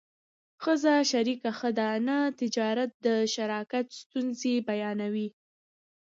ښځه شریکه ښه ده نه تجارت د شراکت ستونزې بیانوي